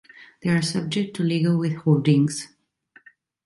They are subject to legal withholdings.